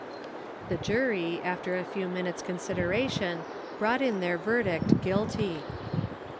The jury, after a few minutes' consideration, brought in their verdict Guilty.